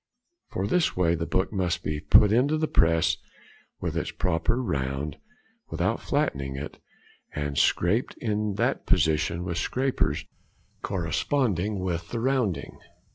For this way the book must be put into the press with its proper round, without flattening it, and scraped in that position with scrapers corresponding with the rounding.